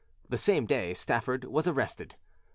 The same day Stafford was arrested.